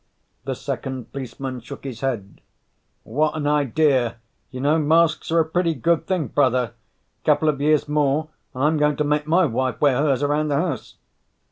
The second policeman shook his head. "What an idea. You know, masks are a pretty good thing, brother. Couple of years more and I'm going to make my wife wear hers around the house."